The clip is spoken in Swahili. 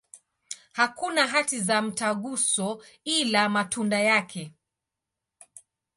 Hakuna hati za mtaguso, ila matunda yake.